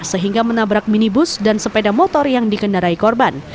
sehingga menabrak minibus dan sepeda motor yang dikendarai korban